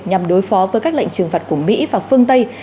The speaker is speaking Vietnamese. nhằm đối phó với các lệnh trừng phạt của mỹ và phương tây